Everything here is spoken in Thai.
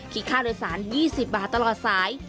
คิดค่าโดยสาร๒๐บาทต่อ๑สาย